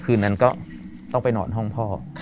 คืนนั้นก็ต้องไปนอนห้องพ่อ